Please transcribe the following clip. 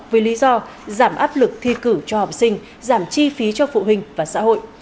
với lý do giảm áp lực thi cử cho học sinh giảm chi phí cho phụ huynh và xã hội